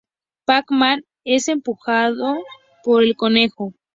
Pac-Man es empujado por el conejo.